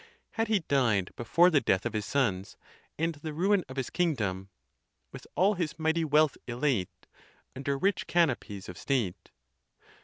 Had he died before the death of his sons and the ruin of his kingdom, | With all his mighty wealth elate, Under rich canopies of state